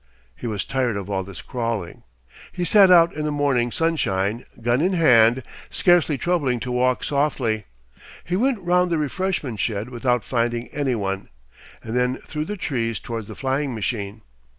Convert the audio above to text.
He was tired of all this crawling. He set out in the morning sunshine, gun in hand, scarcely troubling to walk softly. He went round the refreshment shed without finding any one, and then through the trees towards the flying machine.